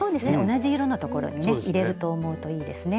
同じ色のところにね入れると思うといいですね。